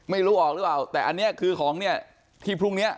ไม่รู้ออกหรือเปล่าแต่อันนี้คือของเนี่ยที่พรุ่งเนี้ย